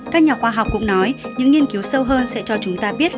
các nhà khoa học cũng nói những nghiên cứu sâu hơn sẽ cho chúng ta biết